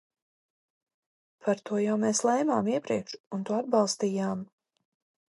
Par to mēs jau lēmām iepriekš un to atbalstījām.